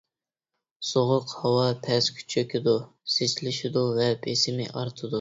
سوغۇق ھاۋا پەسكە چۆكىدۇ، زىچلىشىدۇ ۋە بېسىمى ئارتىدۇ.